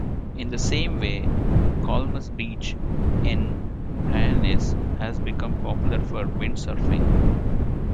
In the same way Kalmus Beach in Hyannis has become popular for windsurfing.